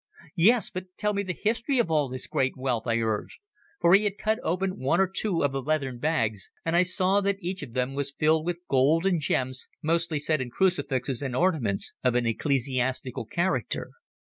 "Yes; but tell me the history of all this great wealth," I urged, for he had cut open one or two of the leathern bags, and I saw that each of them was filled with gold and gems mostly set in crucifixes and ornaments of an ecclesiastical character.